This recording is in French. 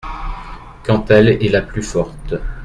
Quand elle est la plus forte.